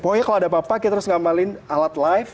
pokoknya kalau ada apa apa kita harus ngamalin alat live